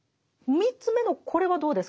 ３つ目のこれはどうですか？